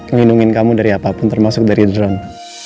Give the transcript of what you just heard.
nginungin kamu dari apapun termasuk dari drone